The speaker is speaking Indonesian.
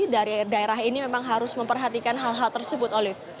dari daerah ini memang harus memperhatikan hal hal tersebut olive